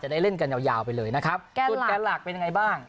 จะได้เล่นกันยาวไปเลยนะครับแก้นหลักเป็นไงบ้าง